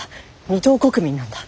二等国民なんだ。